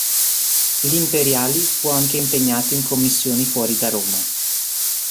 L'Imperiali fu anche impegnato in commissioni fuori da Roma.